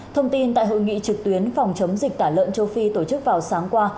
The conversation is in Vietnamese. thông tin tại hội nghị trực tuyến phòng chống dịch tả lợn châu phi tổ chức vào sáng qua